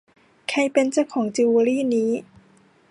ใครเป็นเจ้าของจิวเวอรี่นี้ ?